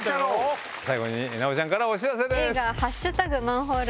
最後に奈緒ちゃんからお知らせです。